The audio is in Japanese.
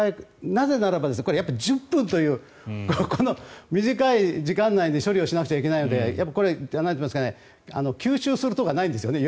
なぜならば１０分というこの短い時間内に処理をしなくちゃいけないので急襲するとかないんですよね